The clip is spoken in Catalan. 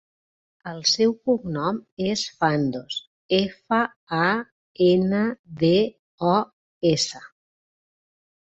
El seu cognom és Fandos: efa, a, ena, de, o, essa.